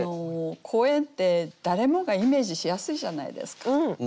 公園って誰もがイメージしやすいじゃないですか。